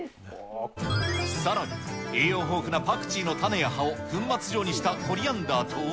さらに、栄養豊富なパクチーの種や葉を粉末状にしたコリアンダーと。